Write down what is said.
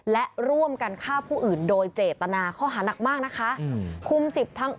และร่วมกันฆ่าผู้อื่นโดยเจตนาข้อหานักมากนะคะ